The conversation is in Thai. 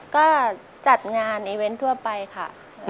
ก็จัดงานอีเวนต์ทั่วไปค่ะ